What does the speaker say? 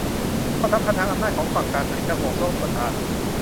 ความสัมพันธ์ทางอำนาจของฝั่งการผลิตและห่วงโซ่อุปทาน